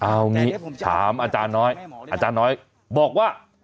เอางี้ถามอาจารย์น้อยอาจารย์น้อยบอกว่า